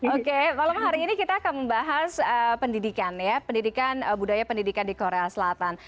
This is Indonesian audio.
oke malam hari ini kita akan membahas pendidikan ya pendidikan budaya pendidikan di korea selatan